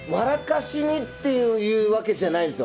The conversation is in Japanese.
しにっていうわけじゃないんですよ。